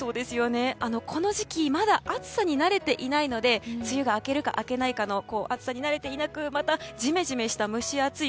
この時期まだ暑さに慣れていないので梅雨が明けるか明けないかの暑さに慣れていなくまたジメジメして蒸し暑い